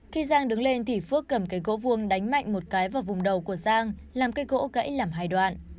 khi giang đứng lên thì phước cầm cây gỗ vuông đánh mạnh một cái vào vùng đầu của giang làm cây gỗ cãi làm hai đoạn